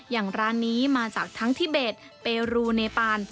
อย่างร้านนี้มาจากทั้งทิเบสเปรูเนปาน